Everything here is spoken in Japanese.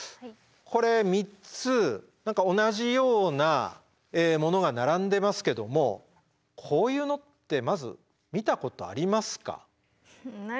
これ３つ何か同じようなものが並んでますけどもこういうのってまず見たことありますか？